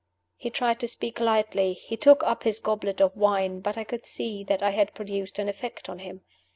He tried to speak lightly; he took up his goblet of wine; but I could see that I had produced an effect on him.